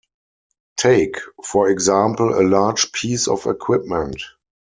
Take, for example, a large piece of equipment.